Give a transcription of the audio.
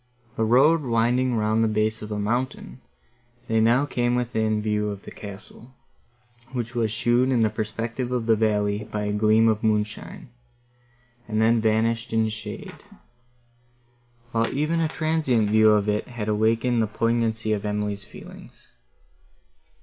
The road winding round the base of a mountain, they now came within view of the castle, which was shown in the perspective of the valley by a gleam of moonshine, and then vanished in shade; while even a transient view of it had awakened the poignancy of Emily's feelings.